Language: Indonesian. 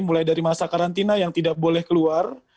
mulai dari masa karantina yang tidak boleh keluar